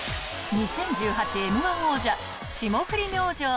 ２０１８Ｍー１王者、霜降り